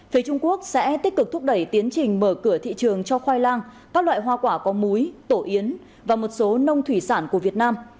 phía trung quốc sẽ tích cực thúc đẩy tiến trình mở cửa thị trường cho khoai lang các loại hoa quả có múi tổ yến và một số nông thủy sản của việt nam